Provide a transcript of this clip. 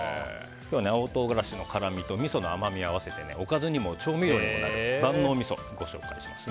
青唐辛子の辛みとみその甘みを合わせておかずにも調味料にもなる万能調味料をご紹介します。